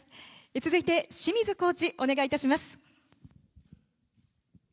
続いて清水コーチお願いいたします。